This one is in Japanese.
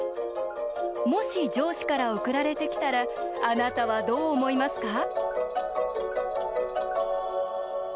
もし上司から送られてきたらあなたは、どう思いますか？